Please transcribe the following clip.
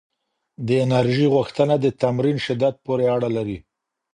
د انرژۍ غوښتنه د تمرین شدت پورې اړه لري؟